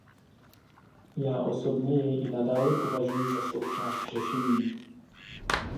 Já osobně jej i nadále považuji za součást řešení.